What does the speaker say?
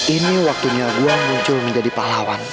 ini waktunya gua muncul menjadi pahlawan